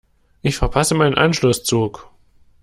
Ich verpasse meinen Anschlusszug.